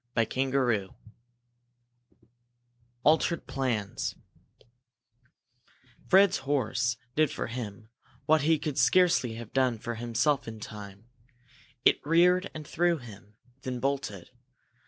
CHAPTER XIV ALTERED PLANS Fred's horse did for him what he could scarcely have done for himself in time. It reared and threw him, then bolted.